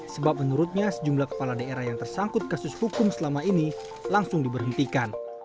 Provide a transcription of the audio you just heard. sebab menurutnya sejumlah kepala daerah yang tersangkut kasus hukum selama ini langsung diberhentikan